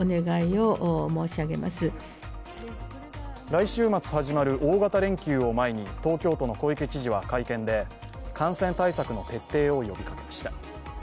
来週末始まる大型連休を前に東京都の小池知事は会見で感染対策の徹底を呼びかけました。